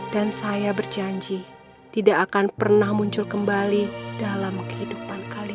dan saya berjanji tidak akan pernah muncul kembali dalam kehidupan kalian